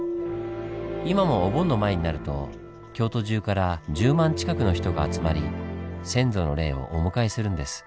今もお盆の前になると京都中から１０万近くの人が集まり先祖の霊をお迎えするんです。